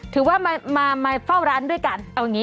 ถือว่ามาเฝ้าร้านด้วยกันเอาอย่างนี้